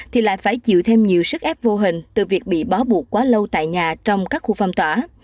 thì lại phải chịu thêm nhiều sức ép vô hình từ việc bị bó buộc quá lâu tại nhà trong các khu phong tỏa